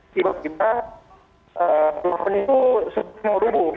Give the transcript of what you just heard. tiba tiba peluang penyelidik itu sebutnya rubuh